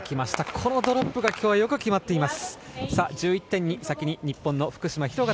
このドロップが今日はよく決まっています。